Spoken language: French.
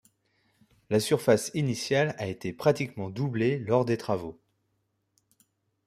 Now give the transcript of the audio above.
La surface initiale a été pratiquement doublée lors des travaux.